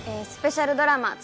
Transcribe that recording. スペシャルドラマ